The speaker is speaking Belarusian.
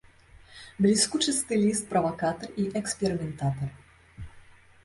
Бліскучы стыліст, правакатар і эксперыментатар.